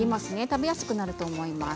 食べやすくなると思います。